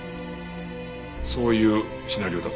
そういうシナリオだったんだな。